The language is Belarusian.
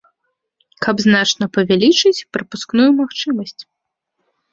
Каб значна павялічыць прапускную магчымасць.